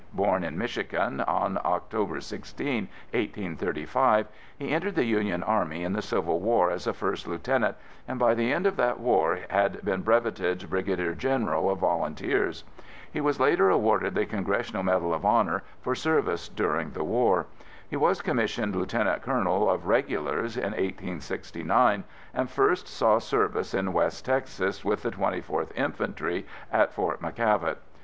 Born in Michigan on October 16, 1835, he entered the Union Army in the Civil War as a first lieutenant and by the end of that war had been breveted brigadier general of volunteers. He was later awarded The Congressional Medal of Honor for service during that war. He was commissioned lieutenant colonel of regulars in 1869 and first saw service in West Texas with the 24th Infantry at Fort McKavett.